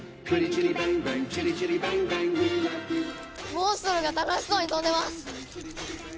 モンストロが楽しそうに飛んでます！